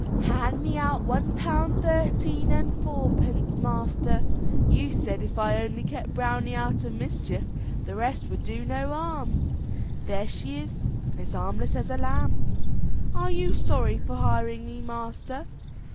"Hand me out one pound thirteen and fourpence, master. You said if I only kept Browney out of mischief, the rest would do no harm. There she is as harmless as a lamb. Are you sorry for hiring me, master?"